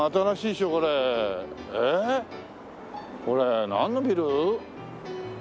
これなんのビル？